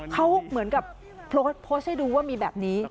เขาเหมือนกับโพสต์ให้ดูว่ามีแบบนี้